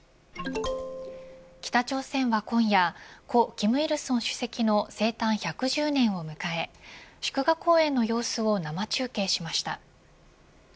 北朝鮮は今夜故、金日成主席の生誕１１０年を迎え祝賀公演の様子を生中継しました。